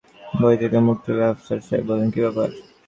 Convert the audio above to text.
বই থেকে মুখ তুলে আফসার সাহেব বললেন, কি ব্যাপার?